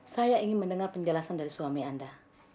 saya ingin mendengar penjelasan dari suami anda